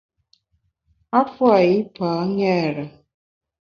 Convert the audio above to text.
A pua’ yipa ṅêre.